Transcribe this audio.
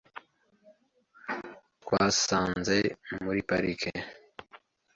Twasanze muri parike .